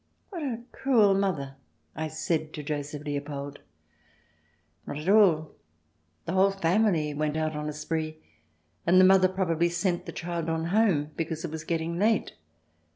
"What a cruel mother!" I said to Joseph Leopold. "Not at all. The whole family went out on the spree, and the mother probably sent the child on home because it was getting late.